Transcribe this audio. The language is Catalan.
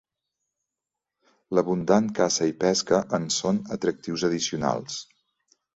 L'abundant caça i pesca en són atractius addicionals.